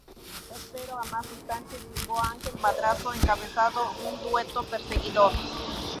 Tercero, a más distancia, llegó Ángel Madrazo encabezando un dueto perseguidor.